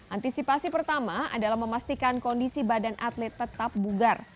antisipasi pertama adalah memastikan kondisi badan atlet tetap bugar